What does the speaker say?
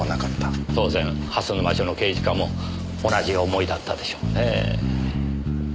当然蓮沼署の刑事課も同じ思いだったでしょうね。